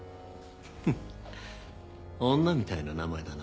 フッ女みたいな名前だな。